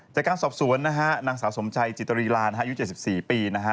จากการสอบสวนนะฮะนางสาวสมชัยจิตรีลานะฮะอายุ๗๔ปีนะฮะ